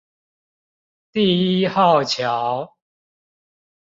第一號橋